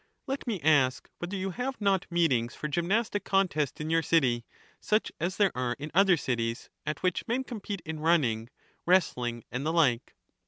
Let me ask, whether you have not meetings for As the gymnastic contests in your city, such as there are in other ^"g"^' cities, at which men compete in running, wrestling, and makes the like?